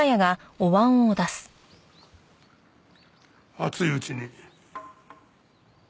熱いうちに。